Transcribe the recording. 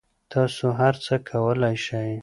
تاسو هر څه کولای شئ